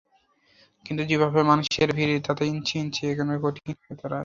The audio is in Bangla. কিন্তু যেভাবে মানুষের ভিড়, তাতে ইঞ্চি ইঞ্চি এগোনোও কঠিন হয়ে দাঁড়ায়।